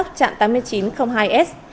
phó giám đốc trạm tám nghìn chín trăm linh hai s